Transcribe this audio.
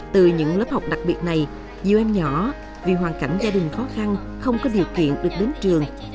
từ những lớp học đặc biệt này nhiều em nhỏ vì hoàn cảnh gia đình khó khăn không có điều kiện được đến trường